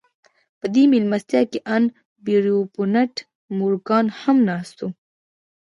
په دې مېلمستیا کې ان پیرپونټ مورګان هم ناست و